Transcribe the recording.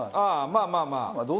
まあまあまあ。